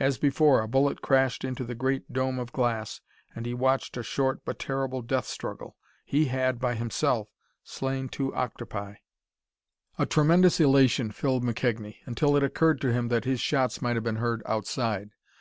As before, a bullet crashed into the great dome of glass, and he watched a short but terrible death struggle. He had, by himself, slain two octopi! A tremendous elation filled McKegnie until it occurred to him that his shots might have been heard outside.